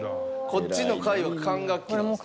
こっちの階は管楽器なんですか？